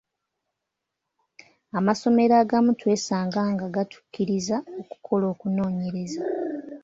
Amasomero agamu twesanga nga gatukkirizza okukola okunoonyereza.